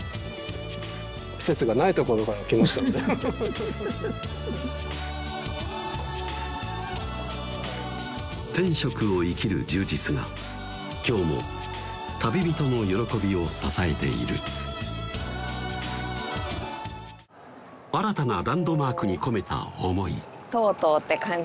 季節がない所から来ましたので天職を生きる充実が今日も旅人の喜びを支えている新たなランドマークに込めた思い